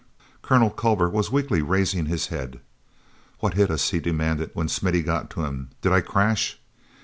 Colonel Culver was weakly raising his head. hat hit us?" he demanded when Smithy got to him. "Did I crash?"